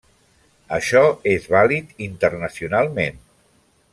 Això és vàlid internacionalment.